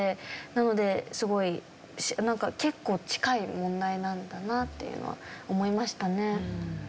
なのですごい結構近い問題なんだなっていうのは思いましたね。